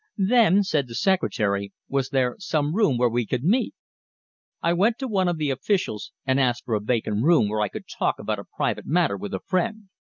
Then, said the secretary, was there some room where we could meet? I went to one of the officials, and asked for a vacant room where I could talk about a private matter with a friend.